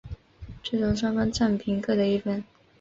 最终双方战平各得一分。